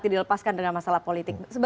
dilepaskan dengan masalah politik